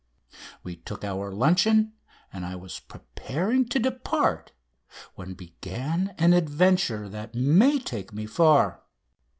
We took our luncheon, and I was preparing to depart when began an adventure that may take me far.